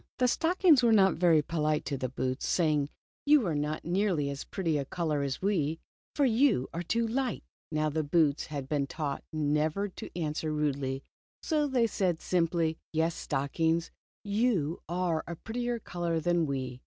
The stockings were not very polite to the boots, saying : "You are not nearly as pretty a color as we, for you are too light." 204 Red Boots. Now the boots had been taught never to answer rudely so they said simply :" Yes, Stockings, you are a prettier color than we."